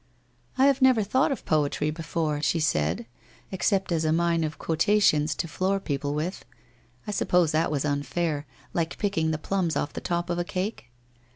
' I have never thought of poetry before/ she said, ' ex cept as a mine of quotations to floor people with. I sup pose that was unfair, like picking the plums off the top of a cake